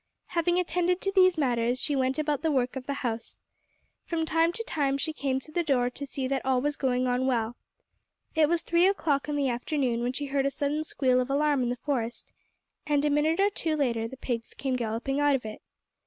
Having attended to these matters, she went about the work of the house. From time to time she came to the door to see that all was going on well. It was three o'clock in the afternoon when she heard a sudden squeal of alarm in the forest, and a minute or two later the pigs came galloping out of it.